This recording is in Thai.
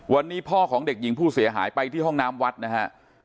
วันนี้พ่อของเด็กหญิงผู้เสียหายไปที่ห้องน้ำวัดนะฮะ